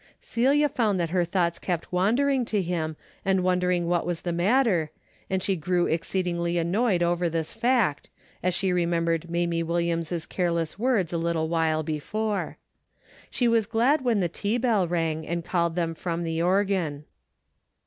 Celia found that her thoughts kept wandering to him and wondering what was the matter, and she grew exceedingly annoyed over this fact, as she remembered Mamie Wil liams' careless words a little while before. She was glad when the tea bell rang and called them from the organ.